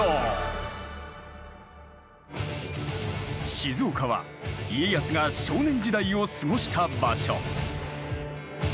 静岡は家康が少年時代を過ごした場所。